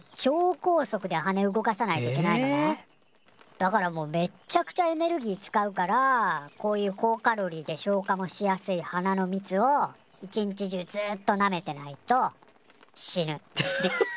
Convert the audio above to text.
だからもうめっちゃくちゃエネルギー使うからこういう高カロリーで消化もしやすい花の蜜を一日中ずっとなめてないと死ぬ。